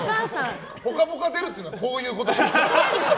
「ぽかぽか」出るっていうのはこういうことですよ。